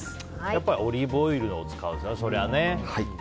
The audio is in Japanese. やっぱりオリーブオイルを使うんですね。